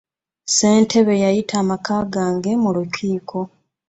Ssentebe yayita amaka gange mu lukiiko.